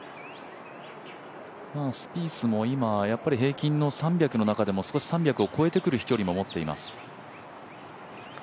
スピースも、平均の３００の中でも、少し３００を越えてくる飛距離もあります。